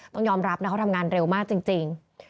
ต้องยอมรับนะเขาทำงานเร็วมากจริง